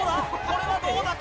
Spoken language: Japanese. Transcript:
これはどうだ？